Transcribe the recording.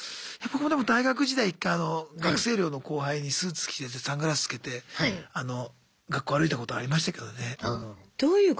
僕もでも大学時代１回あの学生寮の後輩にスーツ着せてサングラスつけて学校歩いたことありましたけどね。